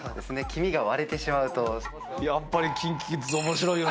黄身が割れてしまうと。